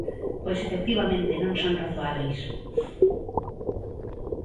Pois, efectivamente, non son razoábeis.